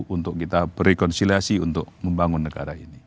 untuk kita berkonsiliasi untuk membangun negara ini